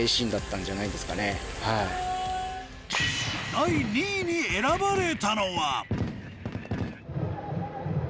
第２位に選ばれたのは。